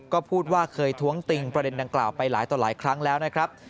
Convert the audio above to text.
ก็พูดว่าเคยท้วงติงประเด็นดังกล่าวไปหลายต่อหลายครั้งแล้วนะครับ